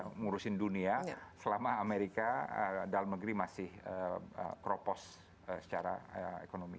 mengurusin dunia selama amerika dalam negeri masih propos secara ekonomi